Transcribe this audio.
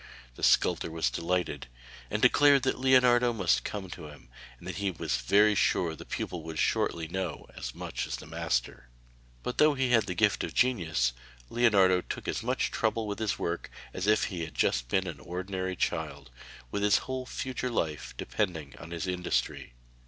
The sculptor was delighted, and declared that Leonardo must come to him, and that he was very sure the pupil would shortly know as much as the master. But though he had the gift of genius, Leonardo took as much trouble with his work as if he had just been an ordinary child, with his whole future life depending on his industry.